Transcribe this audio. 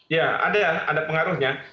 ya ada ya ada pengaruhnya